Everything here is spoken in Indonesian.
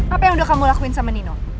apa yang udah kamu lakuin sama nino